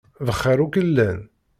Bxiṛ akk i llan.